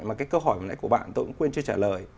mà cái câu hỏi của bạn tôi cũng quên chưa trả lời